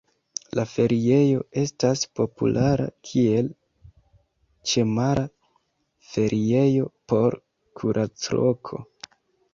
La feriejo estas populara kiel ĉemara feriejo por kuracloko.